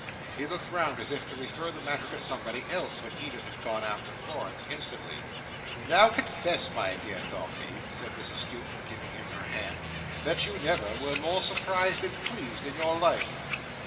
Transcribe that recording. He looked round as if to refer the matter to somebody else, but Edith had gone after Florence, instantly. "Now, confess, my dear Dombey," said Mrs Skewton, giving him her hand, "that you never were more surprised and pleased in your life."